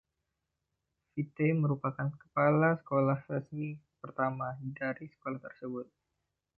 Fite merupakan kepala sekolah resmi pertama dari sekolah tersebut.